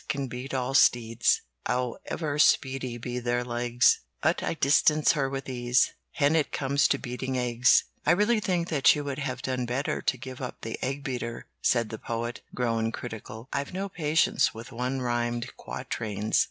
can beat all steeds, However speedy be their legs; But I distance her with ease When it comes to beating eggs." "I really think that you would have done better to give up the egg beater," said the Poet, grown critical. "I've no patience with one rhymed quatrains.